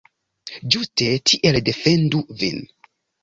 Ĝuste tiel, defendu vin!